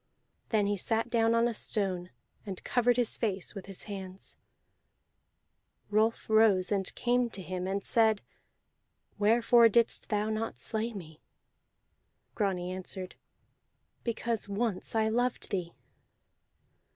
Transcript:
Then he sat down on a stone and covered his face with his hands. Rolf rose, and came to him, and said: "Wherefore didst thou not slay me?" Grani answered: "Because once I loved thee."